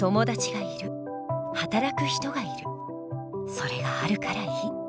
それがあるからいい。